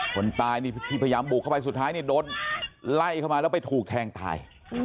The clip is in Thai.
คนตายนี่ที่พยายามบุกเข้าไปสุดท้ายเนี่ยโดนไล่เข้ามาแล้วไปถูกแทงตาย